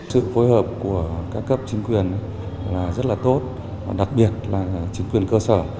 sự phối hợp của các cấp chính quyền là rất là tốt đặc biệt là chính quyền cơ sở